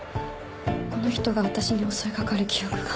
この人が私に襲い掛かる記憶が。